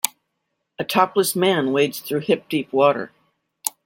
A topless man wades through hip deep water.